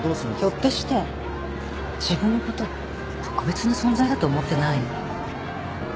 ひょっとして自分のこと特別な存在だと思ってない？